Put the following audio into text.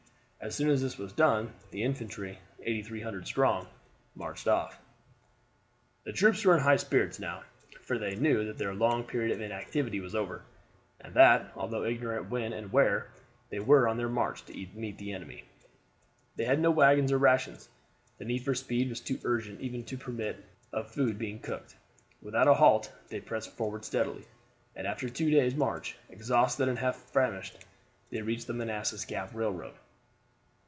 As soon as this was done the infantry, 8,300 strong, marched off. The troops were in high spirits now, for they knew that their long period of inactivity was over, and that, although ignorant when and where, they were on their march to meet the enemy. They had no wagons or rations, the need for speed was too urgent even to permit of food being cooked. Without a halt they pressed forward steadily, and after two days' march, exhausted and half famished, they reached the Manassas Gap Railroad.